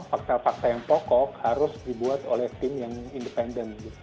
fakta fakta yang pokok harus dibuat oleh tim yang independen